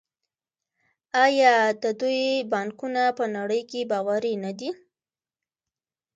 آیا د دوی بانکونه په نړۍ کې باوري نه دي؟